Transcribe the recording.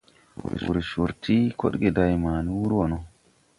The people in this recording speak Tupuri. Wur cor ti kodge day ma ni wur wo no.